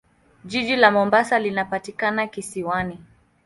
Jiji la Mombasa linapatikana kisiwani.